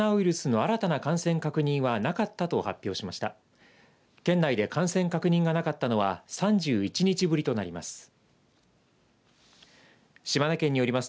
県内で感染確認がなかったのは３１日ぶりとなります。